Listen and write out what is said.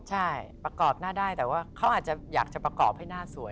ใช่ประกอบหน้าได้แต่ว่าเขาอาจจะอยากจะประกอบให้หน้าสวย